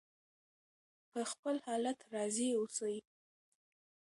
په خپل حالت راضي اوسئ.